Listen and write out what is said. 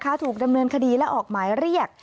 ถูกดำเนินคดีและออกหมายเรียก